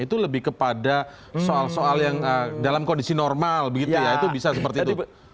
itu lebih kepada soal soal yang dalam kondisi normal begitu ya itu bisa seperti itu